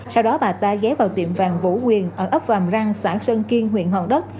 sau đó bà ta ghé vào tiệm vàng vũ quyền ở ấp vàm răng xã sơn kiên huyện hòn đất